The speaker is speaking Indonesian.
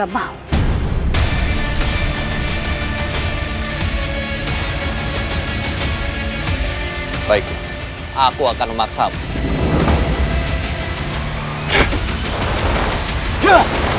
baik aku akan memaksamu